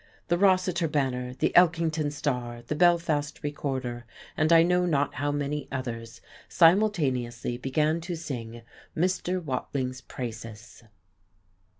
The Rossiter Banner, the Elkington Star, the Belfast Recorder, and I know not how many others simultaneously began to sing Mr. Watling's praises.